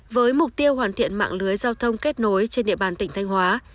với mục tiêu hoàn thiện mạng lưới giao thông kết nối trên địa bàn tỉnh thanh hóa